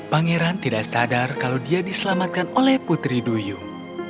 pangeran tidak sadar kalau dia diselamatkan oleh putri duyung